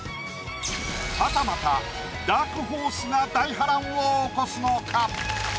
はたまたダークホースが大波乱を起こすのか？